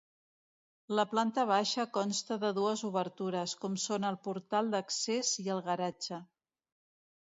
La planta baixa consta de dues obertures, com són el portal d'accés i el garatge.